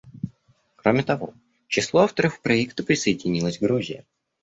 Кроме того, к числу авторов проекта присоединилась Грузия.